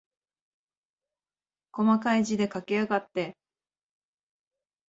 こまかい字で書きやがって。